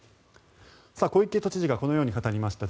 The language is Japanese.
小池都知事がこのように語りました。